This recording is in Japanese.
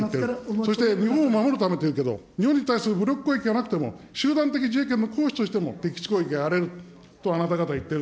そして日本を守るためと言うけども、日本に対する武力攻撃がなくても、集団的自衛権の行使としても敵基地攻撃がやれると、あなた方言ってる。